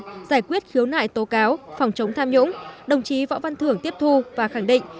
giải quyết khiếu nại tố cáo phòng chống tham nhũng đồng chí võ văn thưởng tiếp thu và khẳng định